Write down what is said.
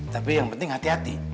tapi yang penting hati hati